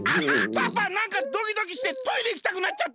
パパなんかドキドキしてトイレいきたくなっちゃった！